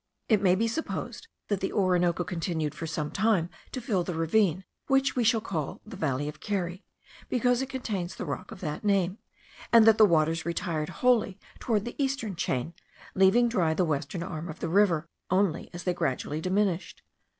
It may be supposed that the Orinoco continued for some time to fill the ravine, which we shall call the valley of Keri, because it contains the rock of that name; and that the waters retired wholly toward the eastern chain, leaving dry the western arm of the river, only as they gradually diminished.